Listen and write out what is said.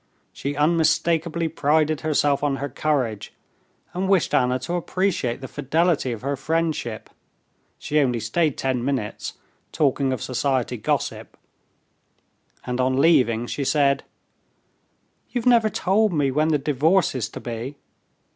She unmistakably prided herself on her courage, and wished Anna to appreciate the fidelity of her friendship. She only stayed ten minutes, talking of society gossip, and on leaving she said: "You've never told me when the divorce is to be?